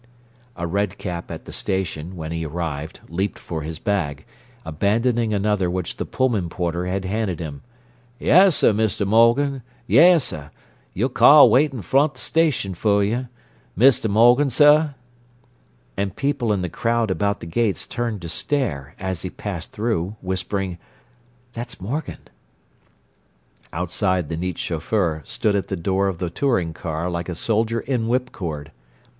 A red cap at the station, when he arrived, leaped for his bag, abandoning another which the Pullman porter had handed him. "Yessuh, Mist' Morgan. Yessuh. You' car waitin' front the station fer you, Mist' Morgan, suh!" And people in the crowd about the gates turned to stare, as he passed through, whispering, "That's Morgan." Outside, the neat chauffeur stood at the door of the touring car like a soldier in whip cord.